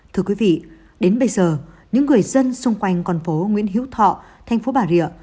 thưa quý vị đến bây giờ những người dân xung quanh con phố nguyễn hữu thọ thành phố bà rịa